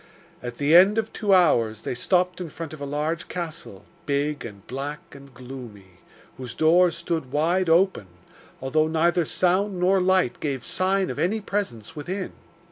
At the end of two hours they stopped in front of a large castle, big and black and gloomy, whose doors stood wide open, although neither sound nor light gave sign of any presence within.